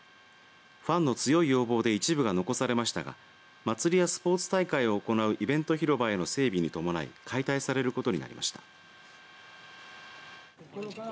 ファンの強い要望で一部が残されましたが祭りやスポーツ大会を行うイベント広場への整備に伴い解体されることになりました。